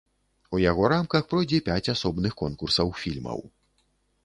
У яго рамках пройдзе пяць асобных конкурсаў фільмаў.